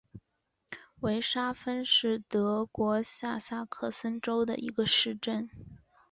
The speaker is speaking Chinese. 维沙芬是德国下萨克森州的一个市镇。